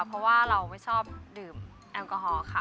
เพราะว่าเราไม่ชอบดื่มแอลกอฮอล์ค่ะ